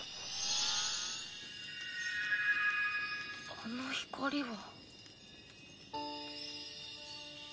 あの光は？